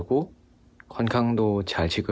ขอบคุณสำหรับอันนี้